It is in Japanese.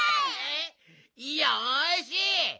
よし。